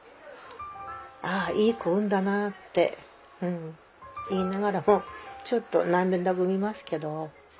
「あぁいい子産んだな」って言いながらもちょっと涙ぐみますけど。